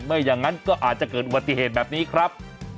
ไม่อย่างนั้นก็อาจจะเกิดอุบัติเหตุแบบนี้ครับ